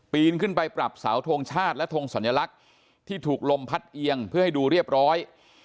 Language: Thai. นขึ้นไปปรับเสาทงชาติและทงสัญลักษณ์ที่ถูกลมพัดเอียงเพื่อให้ดูเรียบร้อย